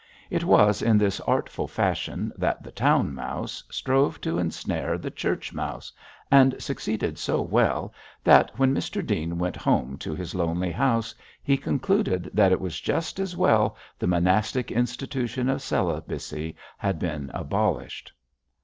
It was in this artful fashion that the town mouse strove to ensnare the church mouse, and succeeded so well that when Mr Dean went home to his lonely house he concluded that it was just as well the monastic institution of celibacy had been abolished.